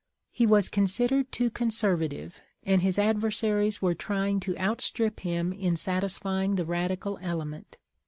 ■' He was considered too conservative, and his adversaries were trying to outstrip him in satisfying the radical element.